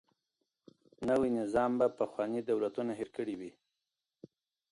نوی نظام به پخواني دولتونه هیر کړي وي.